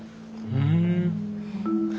うん。